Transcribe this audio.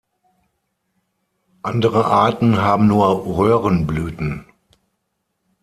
Andere Arten haben nur Röhrenblüten.